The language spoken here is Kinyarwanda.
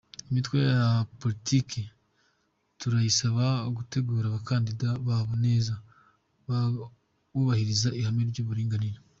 Imitwe ya politike turayisaba gutegura abakandida babo neza, bubahiriza ihame ry’uburinganire.